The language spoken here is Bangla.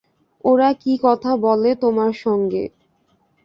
ওরা কী কথা বলে তোমার সঙ্গে?